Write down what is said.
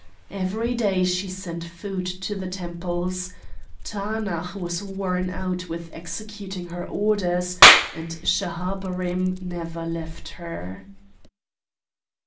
Every day she sent food to the temples. Taanach was worn out with executing her orders, and Schahabarim never left her.